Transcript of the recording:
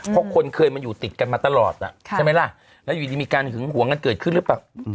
พวกคนเคยมันอยู่ติดกันมาตลอดน่ะใช่ไหมล่ะแล้วยังที่มีการขึ้นหัวมันเกิดขึ้นด้วยปัก